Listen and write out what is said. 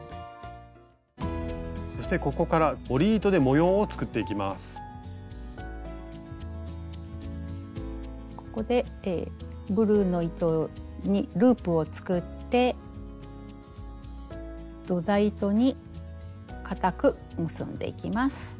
そしてここからここでブルーの糸にループを作って土台糸に固く結んでいきます。